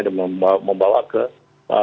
dan membawa ke kapal